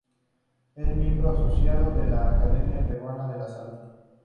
Es miembro asociada de la Academia Peruana de la Salud.